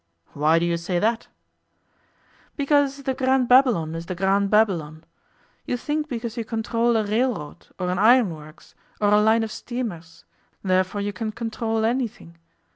'Why do you say that?' 'Because the Grand Babylon is the Grand Babylon. You think because you control a railroad, or an iron works, or a line of steamers, therefore you can control anything.